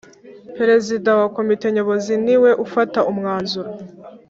Perezida wa Komite Nyobozi ni we ufata umwanzuro